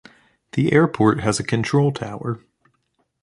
The airport has a control tower.